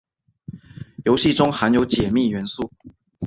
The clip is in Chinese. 游戏中含有解密元素。